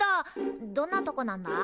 どどんなとこなんだ？